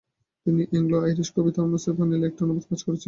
তিনি অ্যাংলো-আইরিশ কবি থমাস পার্নেলের একটি অনুবাদ কাজ করেছিলেন।